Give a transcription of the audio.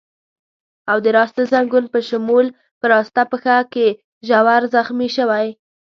او د راسته ځنګون په شمول په راسته پښه کې ژور زخمي شوی.